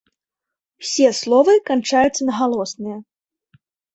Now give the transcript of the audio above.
Усе словы канчаюцца на галосныя.